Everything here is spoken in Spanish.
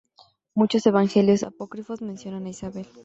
Muchos evangelios apócrifos mencionan a Isabel.